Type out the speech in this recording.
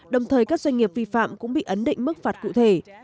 đồng thời các doanh nghiệp vi phạm cũng bị ấn định mức phạt cụ thể